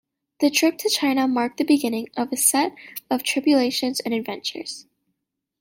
The trip to China marked the beginning of a set of tribulations and adventures.